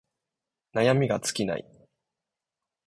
悩みが尽きない